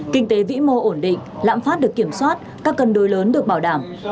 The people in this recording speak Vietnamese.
kinh tế vĩ mô ổn định lãm phát được kiểm soát các cân đối lớn được bảo đảm